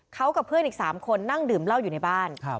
เขากับเพื่อนอีก๓คนนั่งดื่มเหล้าอยู่ในบ้าน